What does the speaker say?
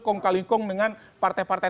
kong kali kong dengan partai partai